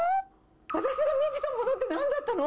私が見てたものって、なんだったの？